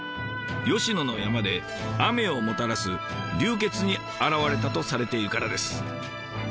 吉野の山で雨をもたらす龍穴に現れたとされているからです。